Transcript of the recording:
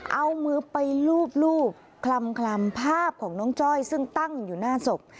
เอามือไปลูบคลำภาพของน้องจ้อยซึ่งตั้งอยู่หน้าศพ